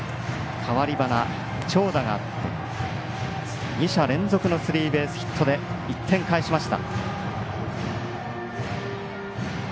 代わり端長打があって２者連続スリーベースヒットで１点返しました。